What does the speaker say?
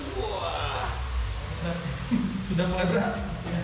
wah sudah mulai berat